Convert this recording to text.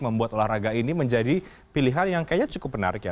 membuat olahraga ini menjadi pilihan yang kayaknya cukup menarik ya